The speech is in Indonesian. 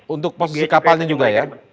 untuk posisi kapalnya juga ya